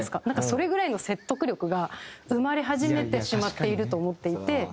なんかそれぐらいの説得力が生まれ始めてしまっていると思っていて。